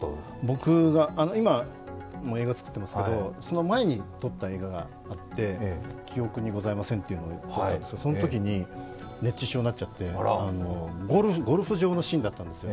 僕、今も映画作ってるんですけどその前に撮った映画があって「記憶にございません！」というのがあって、そのときに熱中症になっちゃってゴルフ場のシーンだったんですよ。